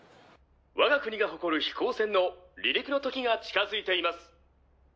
我が国が誇る飛行船の離陸のときが近づいています。